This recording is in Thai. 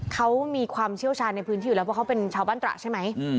เขามีความเชี่ยวชาญในพื้นที่อยู่แล้วเพราะเขาเป็นชาวบ้านตระใช่ไหม